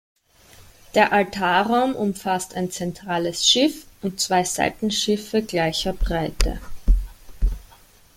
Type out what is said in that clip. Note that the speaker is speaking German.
Der Altarraum umfasst ein zentrales Schiff und zwei Seitenschiffe gleicher Breite.